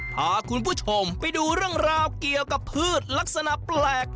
พาคุณผู้ชมไปดูเรื่องราวเกี่ยวกับพืชลักษณะแปลก